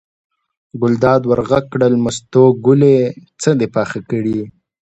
ګلداد ور غږ کړل: مستو ګلې څه دې پاخه کړي.